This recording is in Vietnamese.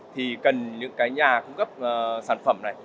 thì cần những nhà cung cấp sản phẩm này